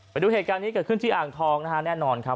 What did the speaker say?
ไปดูเหตุการณ์นี้เกิดขึ้นที่อ่างทองนะฮะแน่นอนครับ